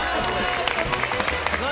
何？